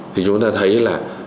thì chúng ta thấy là